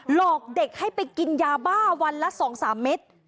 หลอกเด็กให้ไปกินยาบ้าวันละ๒๓เม็ด